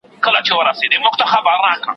ما د سبا لپاره د ليکلو تمرين کړی دی،